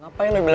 lu dari mana aja